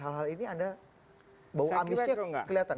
hal hal ini anda bau amisnya kelihatan